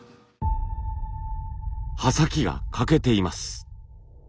刃先が欠けています。